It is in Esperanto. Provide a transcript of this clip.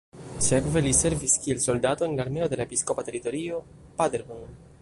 Sekve li servis kiel soldato en la armeo de la episkopa teritorio Paderborn.